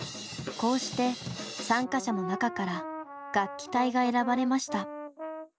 こうして参加者の中から楽器隊が選ばれました。